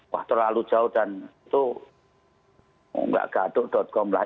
wah terlalu jauh dan itu nggak gaduh com lah